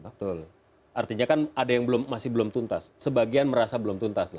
betul artinya kan ada yang masih belum tuntas sebagian merasa belum tuntas